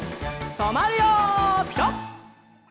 とまるよピタ！